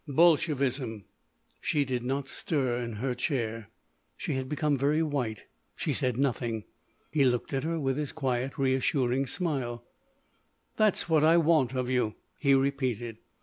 "Bolshevism." She did not stir in her chair. She had become very white. She said nothing. He looked at her with his quiet, reassuring smile. "That's what I want of you," he repeated.